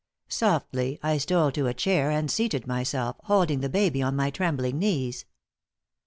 Softly, I stole to a chair and seated myself, holding the baby on my trembling knees.